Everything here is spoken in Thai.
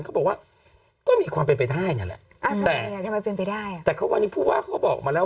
เขาก็บอกว่าก็มีความเป็นไปได้เนี่ยแหละ